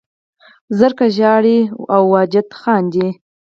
زرکه ژاړي او واجده خاندي